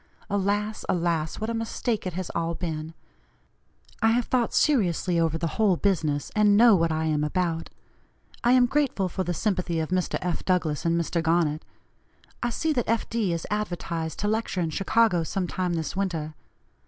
Alas! alas! what a mistake it has all been! I have thought seriously over the whole business, and know what I am about. I am grateful for the sympathy of Mr. F. Douglass and Mr. Garnet. I see that F. D. is advertised to lecture in Chicago some time this winter.